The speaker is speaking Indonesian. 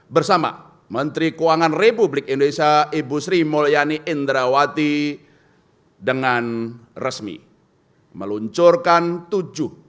bersama menteri keuangan republik indonesia ibu sri mulyani indrawati dengan resmi meluncurkan tujuh